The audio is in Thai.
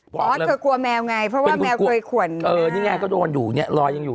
เพราะเธอกลัวแมวไงเพราะว่าแมวเคยขวนเออนี่ไงก็โดนอยู่เนี่ยรอยยังอยู่